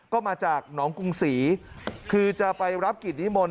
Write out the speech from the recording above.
ก็มาจากหนองกรุงศรีคือจะไปรับกิจนิมนต